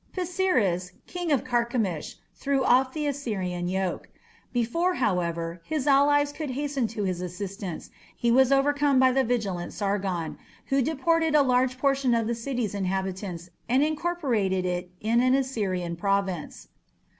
Pisiris, king of Carchemish, threw off the Assyrian yoke. Before, however, his allies could hasten to his assistance he was overcome by the vigilant Sargon, who deported a large proportion of the city's inhabitants and incorporated it in an Assyrian province.